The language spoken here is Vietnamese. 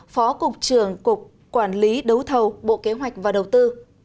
phó cục trưởng cục quản lý đấu thầu bộ kế hoạch và đầu tư